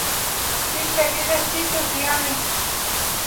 pishka killas chichus tiyani